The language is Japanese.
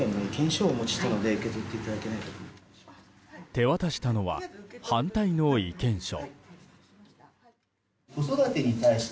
手渡したのは、反対の意見書。